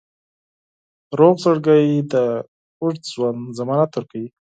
روغ زړګی د اوږد ژوند ضمانت ورکوي.